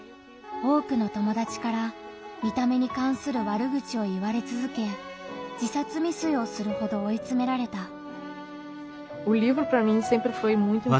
多くの友達から見た目に関する悪口を言われつづけ自殺未遂をするほどおいつめられた。